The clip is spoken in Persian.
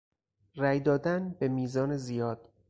رای دادن به میزان زیاد